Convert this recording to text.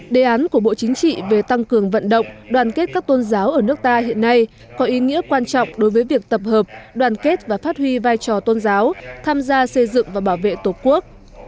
đề án của bộ chính trị về tăng cường vận động đoàn kết các tôn giáo ở nước ta hiện nay có ý nghĩa quan trọng đối với việc tập hợp đoàn kết và phát huy vai trò tôn giáo tham gia xây dựng và bảo vệ tổ quốc